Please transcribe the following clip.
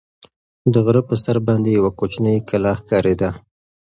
د غره په سر باندې یوه کوچنۍ کلا ښکارېده.